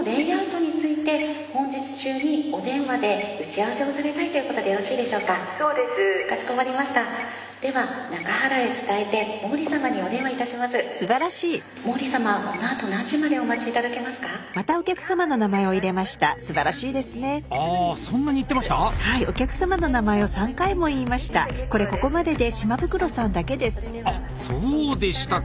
あっそうでしたか。